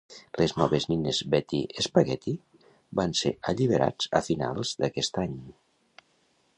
Les noves nines Betty Spaghetty van ser alliberats a finals d'aquest any.